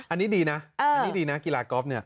อันนี้ดีนะกีฬากอล์ฟเนี่ย